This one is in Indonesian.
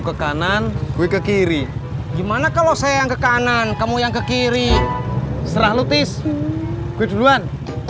ke kanan gue ke kiri gimana kalau saya yang ke kanan kamu yang ke kiri serah lutis gue duluan